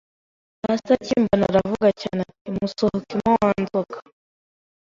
Pastor akimbona aravuga cyane ati"musohokemo wa nzoka